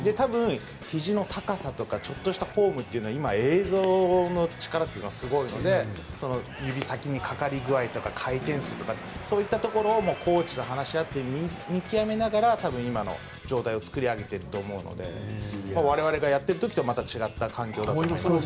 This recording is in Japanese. ひじの高さとかちょっとしたフォームとかは今、映像の力がすごいので指先のかかり具合とか回転数とかそういったところをコーチと話し合って見極めながら多分、今の状態を作り上げていると思うので我々がやっている時とまた違った環境だと思います。